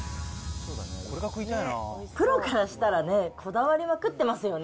プロからしたらね、こだわりまくってますよね。